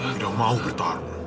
tidak mau bertarung